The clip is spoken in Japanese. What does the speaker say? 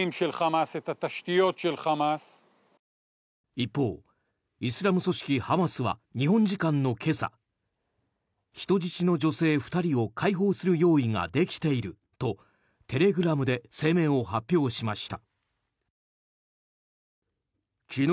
一方、イスラム組織ハマスは日本時間の今朝人質の女性２人を解放する用意ができているとテレグラムで声明を発表しました。